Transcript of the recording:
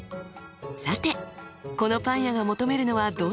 さてこのパン屋が求めるのはどんな人材でしょうか？